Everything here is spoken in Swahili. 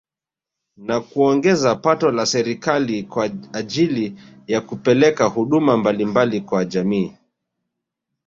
Na kuongeza pato la serikali kwa ajili ya kupeleka huduma mbalimbali kwa jamii